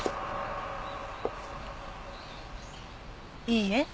いいえ。